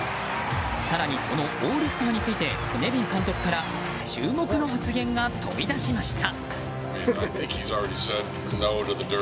更に、そのオールスターについてネビン監督から注目の発言が飛び出しました。